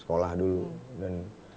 sekolah dulu dan